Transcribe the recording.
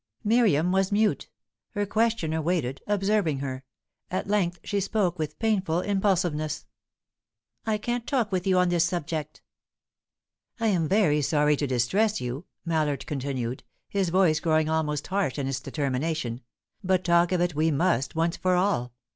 Miriam was mute. Her questioner waited, observing her. At length she spoke with painful impulsiveness. "I can't talk with you on this subject." "I am very sorry to distress you," Mallard continued, his voice growing almost harsh in its determination, "but talk of it we must, once for all.